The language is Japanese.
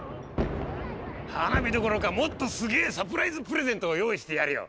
花火どころかもっとすげえサプライズプレゼントを用意してやるよ。